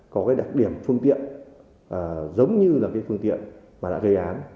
có đặc điểm phương tiện giống như phương tiện gây án